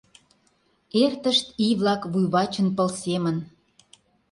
Эртышт ий-влак вуй вачын пыл семын.